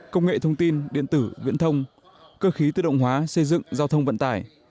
công nghệ thông tin điện tử viễn thông cơ khí tự động hóa xây dựng giao thông vận tải